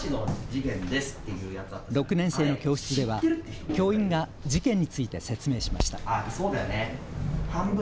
６年生の教室では教員が事件について説明しました。